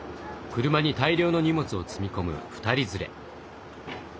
車に大量の荷物を積み込む２人連れ。